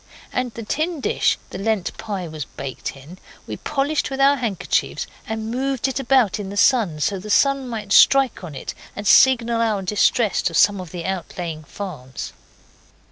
And the tin dish the Lent pie was baked in we polished with our handkerchiefs, and moved it about in the sun so that the sun might strike on it and signal our distress to some of the outlying farms.